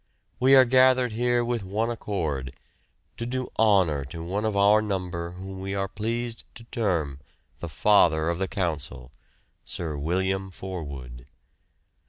We are gathered here with one accord to do honour to one of our number whom we are pleased to term the Father of the Council, Sir William Forwood.